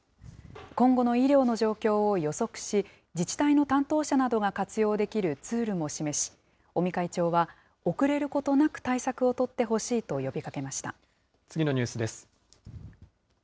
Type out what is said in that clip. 今後の医療の状況を予測し、自治体の担当者などが活用できるツールも示し、尾身会長は、遅れることなく対策を取ってほしいと呼び次のニュースです。